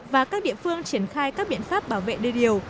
và các địa phương triển khai các biện pháp bảo vệ đê điều